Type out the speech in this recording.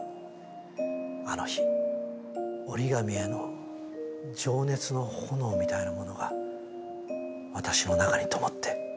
あの日折り紙への情熱の炎みたいなものが私の中にともって。